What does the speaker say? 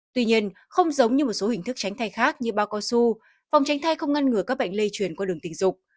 tuy nhiên không giống như một số hình thức tránh thay khác như bao cao su phòng tránh thai không ngăn ngừa các bệnh lây truyền qua đường tình dục